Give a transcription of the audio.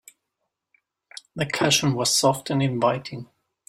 The cushion was soft and inviting.